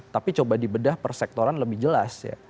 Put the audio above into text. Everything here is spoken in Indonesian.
tapi coba dibedah persektoran lebih jelas ya